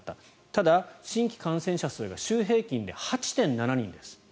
ただ、新規感染者数が週平均で８．７人です。